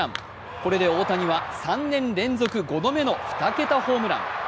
これで大谷は３年連続５度目の２桁ホームラン。